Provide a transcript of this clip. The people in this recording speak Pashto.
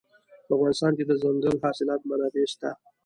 په افغانستان کې د دځنګل حاصلات منابع شته.